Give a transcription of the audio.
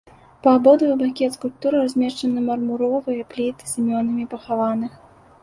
Па абодва бакі ад скульптуры размешчаны мармуровыя пліты з імёнамі пахаваных.